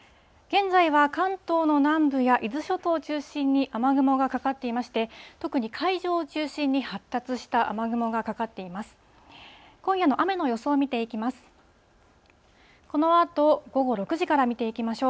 現在は関東の南部や伊豆諸島を中心に雨雲がかかっていまして、特に海上を中心に発達した雨雲がかかっています。